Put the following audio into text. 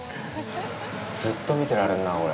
ずっと見てられるな、これ。